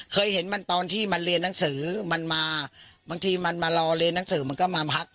เคยเห็นมันตอนที่มันเรียนหนังสือมันมาบางทีมันมารอเรียนหนังสือมันก็มาพัก